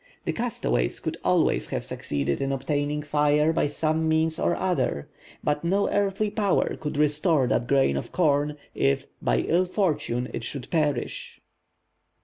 The castaways could always have succeeded in obtaining fire by some means or other; but no earthly power could restore that grain of corn, if, by ill fortune, it should perish!